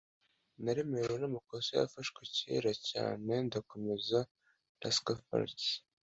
naremerewe n'amakosa yafashwe kera cyane, ndakomeza - rascal flatts